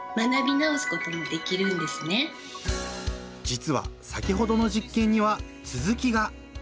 実は先ほどの実験にはつづきが！